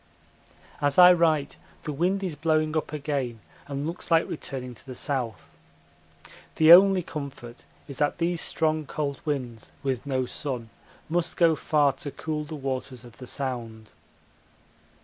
As I write the wind is blowing up again and looks like returning to the south. The only comfort is that these strong cold winds with no sun must go far to cool the waters of the Sound.